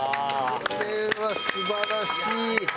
これは素晴らしい！